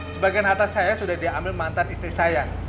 sebagian atas saya sudah diambil mantan istri saya